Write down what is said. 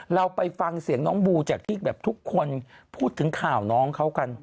เราไปฟังเสียงน้องบูจากที่แบบทุกคนพูดถึงข่าวน้องเขากัน